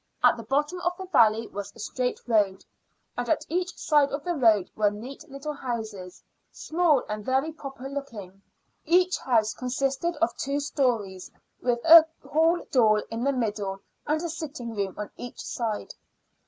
At the bottom of the valley was a straight road, and at each side of the road were neat little houses small and very proper looking. Each house consisted of two stories, with a hall door in the middle and a sitting room on each side.